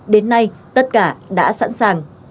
đến nay tất cả đã sẵn sàng